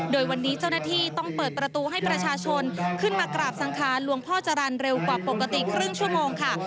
โดยวันนี้เจ้าหน้าที่ต้องเปิดประตูให้ประชาชนขึ้นมากราบสังขารหลวงพ่อจรรย์เร็วกว่าปกติครึ่งชั่วโมงค่ะ